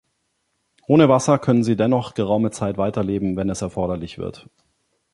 Ohne Wasser können sie dennoch geraume Zeit weiterleben, wenn es erforderlich wird.